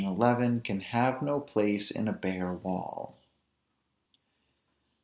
11, can have no place in a bare wall.